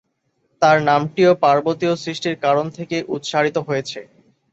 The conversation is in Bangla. তাঁর নামটিও পার্বতীর সৃষ্টির কারণ থেকে উৎসারিত হয়েছে।